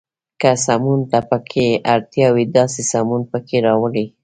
که سمون ته پکې اړتیا وي، داسې سمون پکې راولئ.